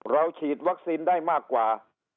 ฉีดวัคซีนได้มากกว่า